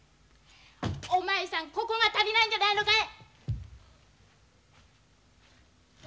お前さんここが足りないんじゃないのかい！